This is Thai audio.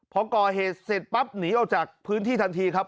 พอก่อเหตุเสร็จปั๊บหนีออกจากพื้นที่ทันทีครับ